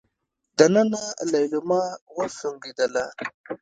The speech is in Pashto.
دننه ليلما وسونګېدله.